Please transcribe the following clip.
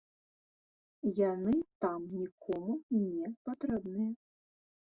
Яны там нікому не патрэбныя.